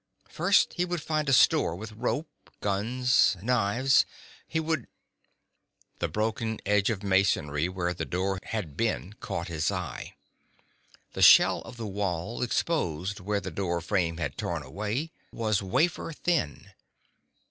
First he would find a store with rope, guns, knives. He would The broken edge of masonry where the door had been caught his eye. The shell of the wall, exposed where the door frame had torn away, was wafer thin.